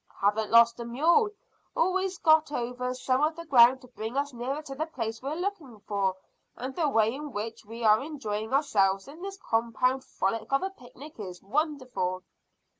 "Haven't lost a mule; always got over some of the ground to bring us nearer to the place we're looking for; and the way in which we are enjoying ourselves in this compound frolic of a picnic is wonderful."